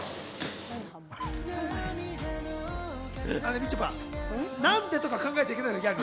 みちょぱ、何で？とか考えちゃダメ、ギャグ。